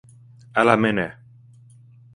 Älä mene!